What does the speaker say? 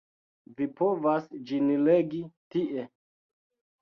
Vi povas ĝin legi tie.